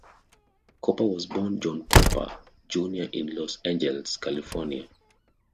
Cooper was born John Cooper, Junior in Los Angeles, California.